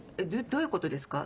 どういうことですか？